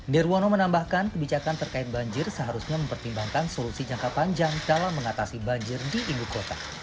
nirwono menambahkan kebijakan terkait banjir seharusnya mempertimbangkan solusi jangka panjang dalam mengatasi banjir di ibu kota